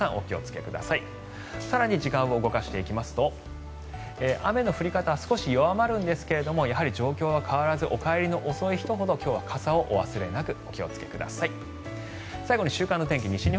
更に時間を動かしますと雨の降り方は少し弱まるんですが状況は変わらずお帰りの遅い人ほど今日は傘をお忘れなく。